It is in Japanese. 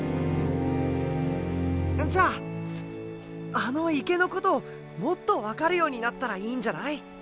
じゃああの池のことをもっと分かるようになったらいいんじゃない？